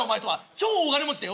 超大金持ちだよ